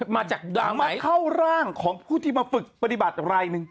มาจากดราม่าเข้าร่างของผู้ที่มาฝึกปฏิบัติรายหนึ่ง